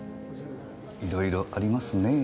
いろいろありますねぇ。